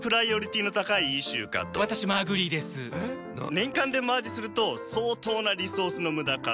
年間でマージすると相当なリソースの無駄かと。